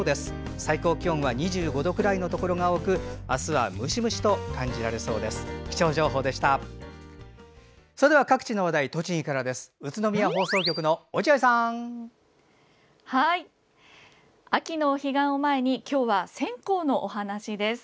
最高気温は２５度くらいのところが多くあすはムシムシと感じられるでしょう。